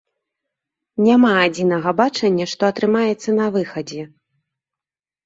Няма адзінага бачання, што атрымаецца на выхадзе.